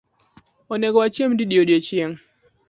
Onego wachiem didi odiechieng’?